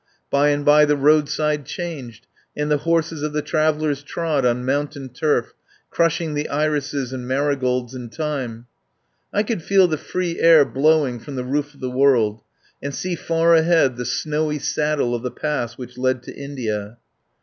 By and by the roadside changed, and the horses of the travellers trod on moun tain turf, crushing the irises and marigolds and thyme. I could feel the free air blowing from the roof of the world, and see far ahead the snowy saddle of the pass which led to India.